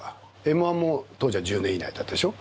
Ｍー１も当時は１０年以内だったでしょ。